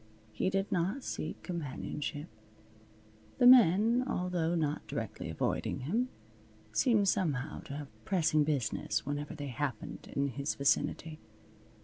He did not seek companionship. The men, although not directly avoiding him, seemed somehow to have pressing business whenever they happened in his vicinity.